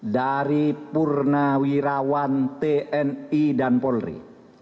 dari purnawirawan tni dan polri